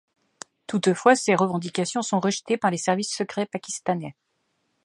Toutefois, ces revendications sont rejetées par les services secrets pakistanais.